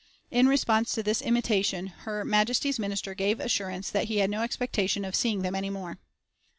In response to this intimation her Majesty's Minister gave assurance that "he had no expectation of seeing them any more."